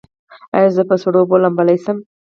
ایا زه په سړو اوبو لامبلی شم؟